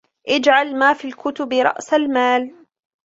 اجْعَلْ مَا فِي الْكُتُبِ رَأْسَ الْمَالِ